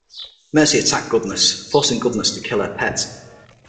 Mercy attacked Goodness, forcing Goodness to kill her pet.